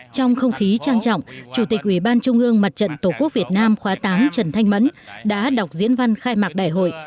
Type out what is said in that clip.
trong không khí trang trọng chủ tịch ủy ban trung ương mặt trận tổ quốc việt nam khóa tám trần thanh mẫn đã đọc diễn văn khai mạc đại hội